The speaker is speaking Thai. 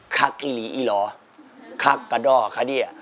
คักอีหลีอีหลอคักกระดอกคัดี้